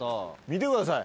見てください